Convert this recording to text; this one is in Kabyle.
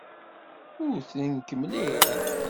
Wten-k mliḥ.